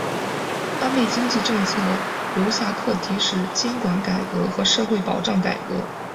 安倍经济政策留下课题的是监管改革和社会保障改革。